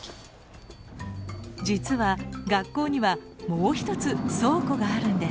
実は学校にはもう１つ倉庫があるんです！